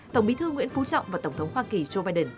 tổng bí thư nguyễn phú trọng và tổng thống hoa kỳ joe biden